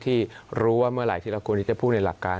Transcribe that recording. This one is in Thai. ที่รู้ว่าเมื่อไหร่ที่เราควรที่จะพูดในหลักการ